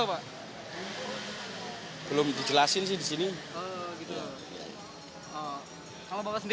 pembeli yang akan diperlukan psbb